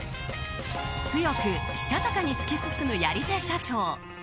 強くしたたかに突き進むやり手社長。